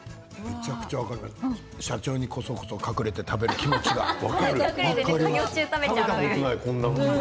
社長にこそこそ隠れて食べる気持ちが分かります。